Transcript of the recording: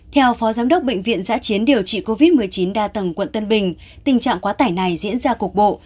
theo phó giám đốc bệnh viện giã chiến điều trị covid một mươi chín đa tầng quận tân bình tình trạng quá tải này diễn ra cục bộ